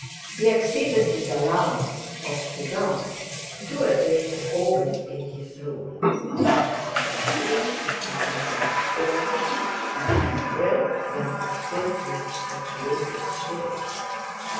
He exceeded his allowance of cigars. Two a day had always been his rule. Now he smoked three and sometimes four—a man will when he is filled with the creative spirit.